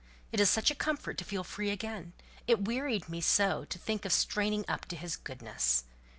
It is such a comfort to feel free again. It wearied me so to think of straining up to his goodness.